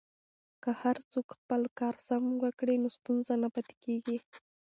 که هر څوک خپل کار سم وکړي نو ستونزه نه پاتې کیږي.